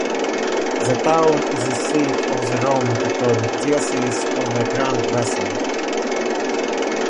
The town is the seat of the Roman Catholic Diocese of Grand-Bassam.